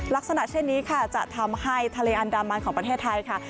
ลักษณะเช่นนี้ค่ะจะทำให้ทะเลอันดามันของประเทศไทยค่ะ